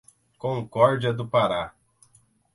Concórdia do Pará